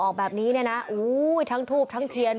ออกแบบนี้เนี่ยนะทั้งทูบทั้งเทียน